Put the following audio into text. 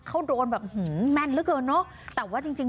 เขาโดนแบบหือแม่นเหลือเกินเนอะแต่ว่าจริงจริง